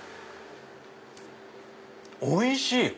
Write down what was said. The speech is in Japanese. おいしい！